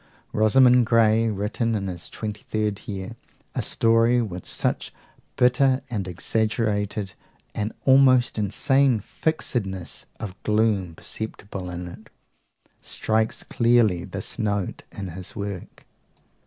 Rosamund Grey, written in his twenty third year, a story with something bitter and exaggerated, an almost insane fixedness of gloom perceptible in it, strikes clearly this note in his work.